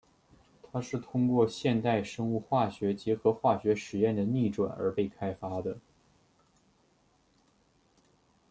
它是通过现代生物化学结合化学实验的逆转而被开发的。